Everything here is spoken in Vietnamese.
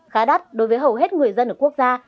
khá đắt đối với hầu hết người dân ở quốc gia